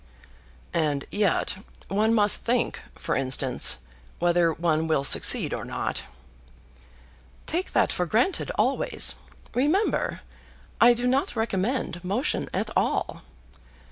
"And yet one must think; for instance, whether one will succeed or not." "Take that for granted always. Remember, I do not recommend motion at all.